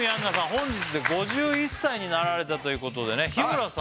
本日で５１歳になられたということでねあっ